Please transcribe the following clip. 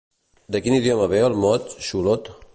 De quin idioma ve el mot Xolotl?